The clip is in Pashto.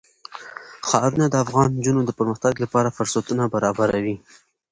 ښارونه د افغان نجونو د پرمختګ لپاره فرصتونه برابروي.